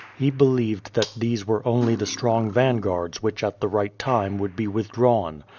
He believed that these were only the strong vanguards which at the right time would be withdrawn.